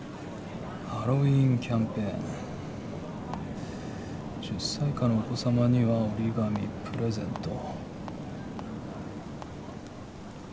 「ハロウィーンキャンペーン」「１０歳以下のお子様には折り紙プレゼント」